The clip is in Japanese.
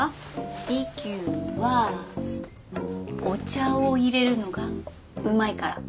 利休はお茶をいれるのがうまいから。